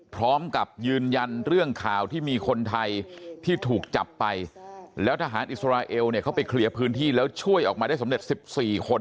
พร้อมกับยืนยันเรื่องข่าวที่มีคนไทยที่ถูกจับไปแล้วทหารอิสราเอลเนี่ยเขาไปเคลียร์พื้นที่แล้วช่วยออกมาได้สำเร็จ๑๔คน